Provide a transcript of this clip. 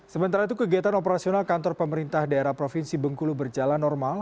sementara itu kegiatan operasional kantor pemerintah daerah provinsi bengkulu berjalan normal